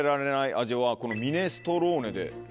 このミネストローネで。